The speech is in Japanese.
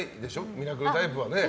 「ミラクルタイプ」は。